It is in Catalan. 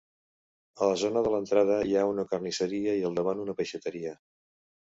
A la zona de l'entrada hi ha una carnisseria i al davant una peixateria.